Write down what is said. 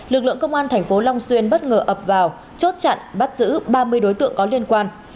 lực lượng công an tp long xuyên bất ngờ ập vào chốt chặn bắt giữ ba mươi đối tượng có liên quan